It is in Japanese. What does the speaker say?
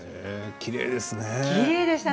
きれいですね。